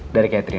udah ke kamar dulu